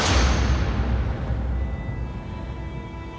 kalaupun terjadi apapun dengan aku